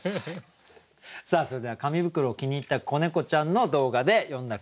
さあそれでは紙袋を気に入った子猫ちゃんの動画で詠んだ句